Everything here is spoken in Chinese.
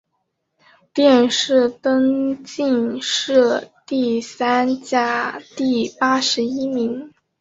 殿试登进士第三甲第八十一名。